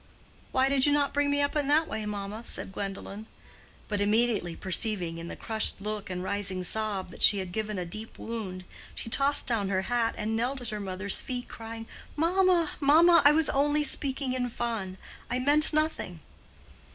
"Why did you not bring me up in that way, mamma?" said Gwendolen. But immediately perceiving in the crushed look and rising sob that she had given a deep wound, she tossed down her hat and knelt at her mother's feet crying, "Mamma, mamma! I was only speaking in fun. I meant nothing."